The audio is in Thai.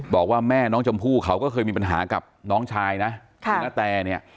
บอกว่าแม่น้องชมพู่เขาก็เคยมีปัญหากับน้องชายนะคือนาแตเนี่ย